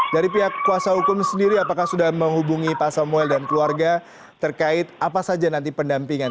dari pihak kuasa hukum sendiri apakah sudah menghubungi pak samuel dan keluarga terkait apa saja nanti pendampingan